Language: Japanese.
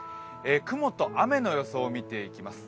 雲と雨の予想を見ていきます。